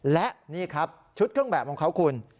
และนี่ครับชุดเครื่องแบบของเขาคุณ